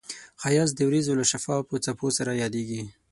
ښایست د وریځو له شفافو څپو سره یادیږي